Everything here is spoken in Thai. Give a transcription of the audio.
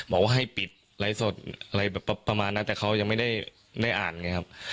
บอกว่าให้ปิดไลฟ์สดอะไรแบบประมาณนั้นแต่เขายังไม่ได้อ่านไงครับ